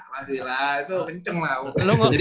masih lah itu kenceng lah